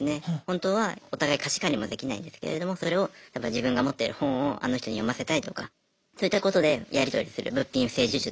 本当はお互い貸し借りもできないんですけれどもそれを自分が持ってる本をあの人に読ませたいとかそういったことでやり取りする物品不正授受とかもあります。